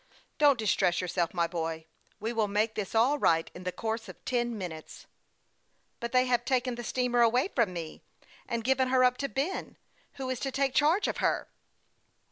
Don't distress yourself, my boy. We will make this all right in the course of ten minutes." " But they have taken the steamer away from me, and given her up to Ben, who is to take charge of her."